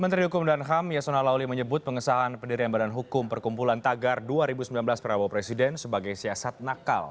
menteri hukum dan ham yasona lawli menyebut pengesahan pendirian badan hukum perkumpulan tagar dua ribu sembilan belas perawa presiden sebagai siasat nakal